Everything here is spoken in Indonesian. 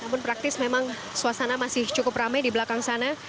namun praktis memang suasana masih cukup ramai di belakang sana